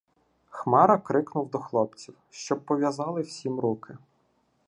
Хмара крикнув до хлопців, щоб пов'язали всім руки.